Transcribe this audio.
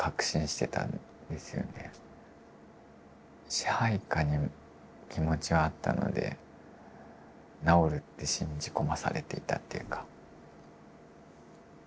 支配下に気持ちはあったので治るって信じ込まされていたっていうか。